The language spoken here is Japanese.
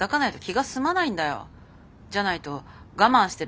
じゃないと我慢してる